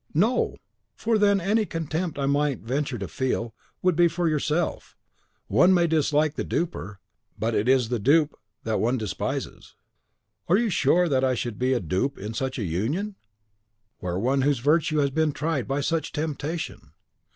"No! for then any contempt I might venture to feel would be for yourself. One may dislike the duper, but it is the dupe that one despises." "Are you sure that I should be the dupe in such a union? Where can I find one so lovely and so innocent, where one whose virtue has been tried by such temptation?